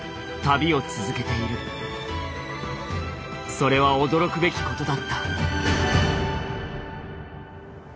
それは驚くべきことだった」。